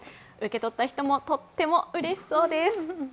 受け取った人も、とってもうれしそうです。